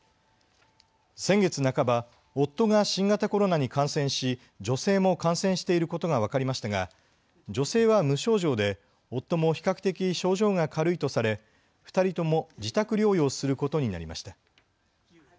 先月半ば、夫が新型コロナに感染し、女性も感染していることが分かりましたが女性は無症状で夫も比較的、症状が軽いとされ２人とも自宅療養することになりました。